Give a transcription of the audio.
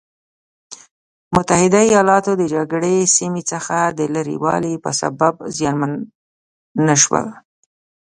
متحده ایلاتو د جګړې سیمې څخه د لرې والي په سبب زیانمن نه شول.